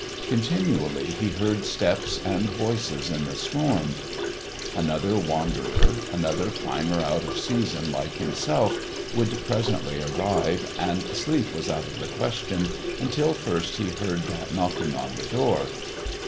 Continually he heard steps and voices in the storm. Another wanderer, another climber out of season like himself, would presently arrive, and sleep was out of the question until first he heard that knocking on the door.